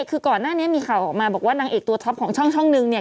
คือก่อนหน้านี้มีข่าวออกมาบอกว่านางเอกตัวท็อปของช่องนึงเนี่ย